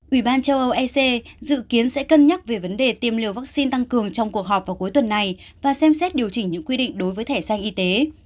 ủy ban châu âu ec dự kiến sẽ cân nhắc về vấn đề tiêm liều vaccine tăng cường trong cuộc họp vào cuối tuần này và xem xét điều chỉnh những quy định đối với thẻ xanh y tế